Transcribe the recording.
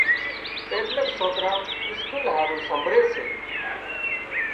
ايٽليڪ سوڪران اسڪول هارُو سمڀرِي ري سي۔